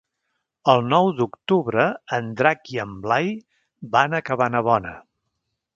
El nou d'octubre en Drac i en Blai van a Cabanabona.